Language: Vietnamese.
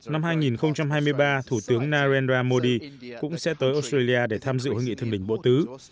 năm hai nghìn hai mươi ba thủ tướng narendra modi cũng sẽ tới australia để tham dự hội nghị thượng đỉnh bộ tứ